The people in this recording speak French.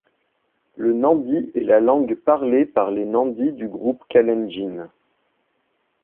Le nandi est la langue parlée par les Nandi du groupe Kalenjin.